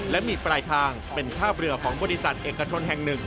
และมีปลายทางเป็นท่าเรือของบริษัทเอกชนแห่งหนึ่ง